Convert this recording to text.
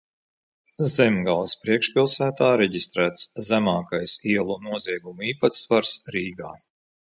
Zemgales priekšpilsētā reģistrēts zemākais ielu noziegumu īpatsvars Rīgā.